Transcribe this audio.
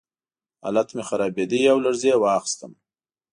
حالت مې خرابېده او لړزې واخیستم